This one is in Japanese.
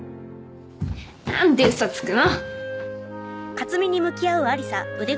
何でうそつくの？